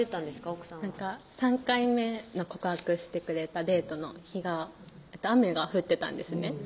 奥さん３回目の告白してくれたデートの日が雨が降ってたんですね